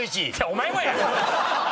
お前もや！